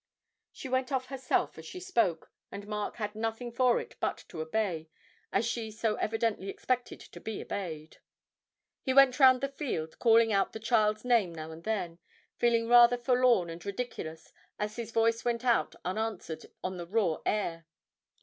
She went off herself as she spoke, and Mark had nothing for it but to obey, as she so evidently expected to be obeyed. He went round the field, calling out the child's name now and then, feeling rather forlorn and ridiculous as his voice went out unanswered on the raw air.